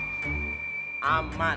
ditutup dulu ada mas